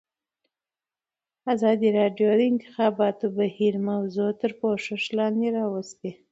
ازادي راډیو د د انتخاباتو بهیر موضوع تر پوښښ لاندې راوستې.